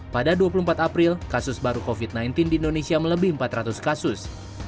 pada dua puluh empat april kasus baru covid sembilan belas di indonesia melebih empat ratus kasus